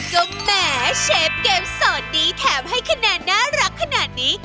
ก็แหมเชฟเกมโสดดีแถมให้คะแนนน่ารักขนาดนี้